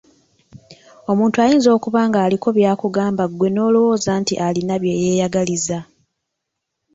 Omuntu ayinza okuba ng'aliko by'akugamba ggwe n'olowooza nti alina bye yeeyagaliza.